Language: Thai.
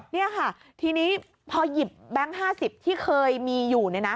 นี่ค่ะทีนี้พอหยิบแบงค์๕๐ที่เคยมีอยู่